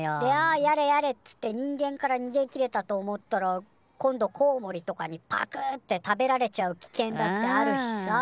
やれやれっつって人間からにげきれたと思ったら今度コウモリとかにパクって食べられちゃう危険だってあるしさ。